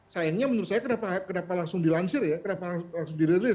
sayangnya menurut saya kenapa langsung dilansir ya kenapa langsung dirilis